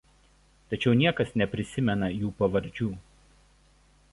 Tačiau niekas neprisimena jų pavardžių.